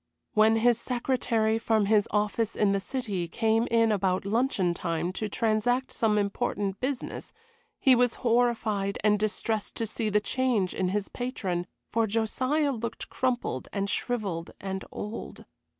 When his secretary, from his office in the City, came in about luncheon time to transact some important business, he was horrified and distressed to see the change in his patron; for Josiah looked crumpled and shrivelled and old.